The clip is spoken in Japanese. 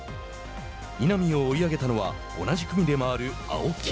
稲見を追い上げたのは同じ組で回る青木。